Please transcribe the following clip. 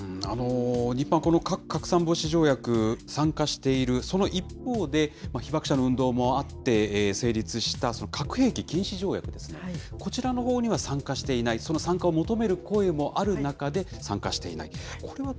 日本はこの核拡散防止条約に参加している、その一方で、被爆者の運動もあって、成立した核兵器禁止条約ですね、こちらのほうには参加していない、その参加を求める声もある中で、参加していない。